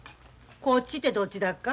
こっちってどっちだっか？